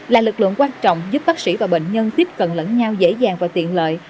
là lực lượng quan trọng giúp bác sĩ và bệnh nhân tiếp cận lẫn nhau dễ dàng và tiện lợi